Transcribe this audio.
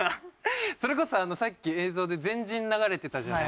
それこそさっき映像で「ゼンジン」流れてたじゃないですか。